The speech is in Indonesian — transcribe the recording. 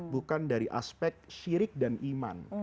bukan dari aspek syirik dan iman